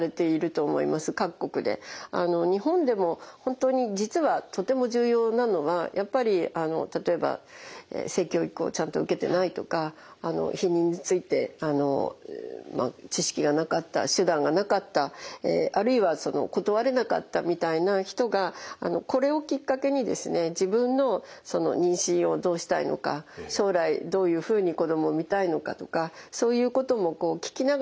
日本でも本当に実はとても重要なのはやっぱり例えば性教育をちゃんと受けてないとか避妊について知識がなかった手段がなかったあるいは断れなかったみたいな人がこれをきっかけにですね自分の妊娠をどうしたいのか将来どういうふうに子供を産みたいのかとかそういうことも聞きながらですね